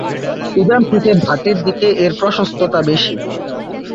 উজান থেকে ভাটির দিকে এর প্রশস্ততা বেশি।